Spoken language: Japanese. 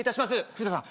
藤田さん